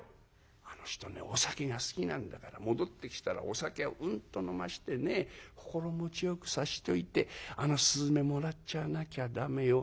「あの人ねお酒が好きなんだから戻ってきたらお酒をうんと飲ましてね心持ちよくさしといてあの雀もらっちゃわなきゃ駄目よ」。